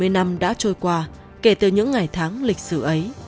bảy mươi năm đã trôi qua kể từ những ngày tháng lịch sử ấy